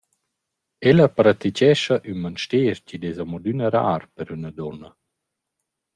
Ella pratichescha ün manster chi’d es amo adüna rar per üna duonna.